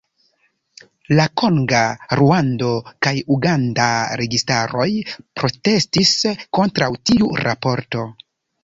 La konga, ruanda kaj uganda registaroj protestis kontraŭ tiu raporto.